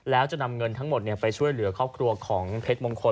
แล้วจะนำเงินทั้งหมดไปช่วยเหลือครอบครัวของเพชรมงคล